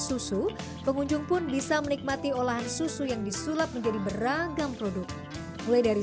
susu pengunjung pun bisa menikmati olahan susu yang disulap menjadi beragam produk mulai dari